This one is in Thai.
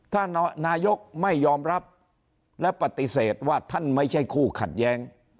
ถ้านายกไม่ยอมรับและปฏิเสธว่าท่านไม่ใช่คู่ขัดแย้ง